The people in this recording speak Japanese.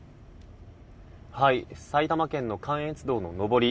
埼玉県の関越道の上り